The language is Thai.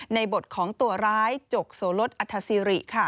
ในบทของตัวร้ายจกโสลดอัธสิริ